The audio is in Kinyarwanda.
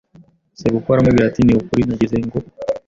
Sebukwe aramubwira ati Ni ukuri nagize ngo